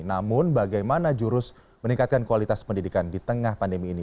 namun bagaimana jurus meningkatkan kualitas pendidikan di tengah pandemi ini